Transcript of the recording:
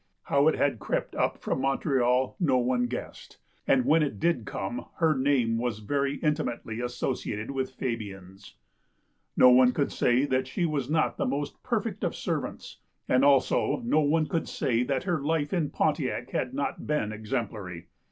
How it had crept up from Montreal no one guessed, and, when it did come, her name was very in timately associated with Fabian's. No one could say that she was not the most perfect of servants, and also no one could say that her life in Pontiac had not been exemplary.